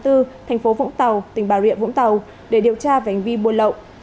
thành phố vũng tàu tỉnh bà viện vũng tàu để điều tra và hành vi buôn lậu